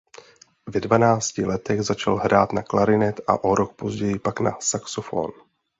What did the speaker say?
Ve dvanácti letech začal hrát na klarinet a o rok později pak na saxofon.